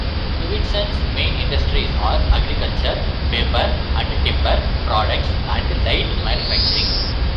Lewiston's main industries are agriculture, paper, and timber products, and light manufacturing.